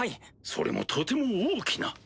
それもとても大きな。